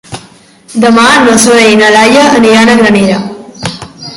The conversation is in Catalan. Demà na Zoè i na Laia aniran a Granera.